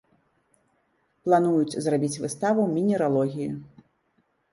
Плануюць зрабіць выставу мінералогіі.